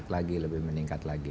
lebih meningkat lagi